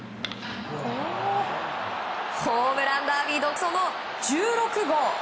ホームランダービー独走の１６号。